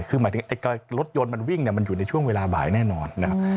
คือหมายถึงรถยนต์มันวิ่งมันอยู่ในช่วงเวลาบ่ายแน่นอนนะครับ